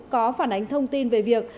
có phản ánh thông tin về việc